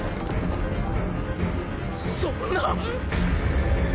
そんな。